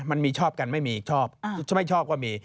มันมีชอบกันไม่มีอีกชอบไม่ชอบก็มี